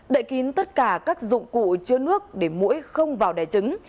đại kín tất cả các dụng cụ chứa nước để mũi không vào đẻ trứng